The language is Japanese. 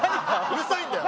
うるさいんだよ！